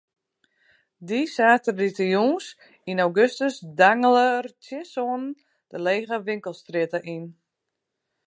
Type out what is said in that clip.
Dy saterdeitejûns yn augustus dangele er tsjin sânen de lege winkelstrjitte yn.